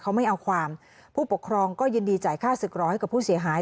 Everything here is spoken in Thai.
เขาไม่เอาความผู้ปกครองก็ยินดีจ่ายค่าศึกรอให้กับผู้เสียหาย